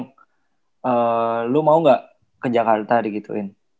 eee lu mau gak ke jakarta di gituin